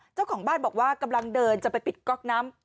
เจ้าของบ้านบอกว่ากำลังเดินจะไปปิดก๊อกน้ำ